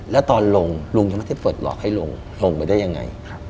แล้วตอนลงลุงยังไม่ได้เปิดหลอกให้ลุงลงไปได้ยังไง